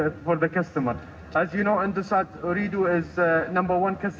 seperti anda tahu indosat uridu adalah bagian pertama dari pelanggan pasar pelanggan di kota solo